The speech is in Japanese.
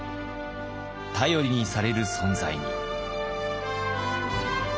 頼りにされる存在に。